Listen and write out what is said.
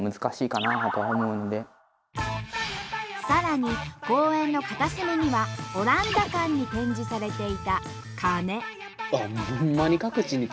さらに公園の片隅にはオランダ館に展示されていた鐘。